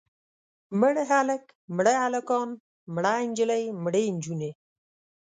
مړ هلک، مړه هلکان، مړه نجلۍ، مړې نجونې.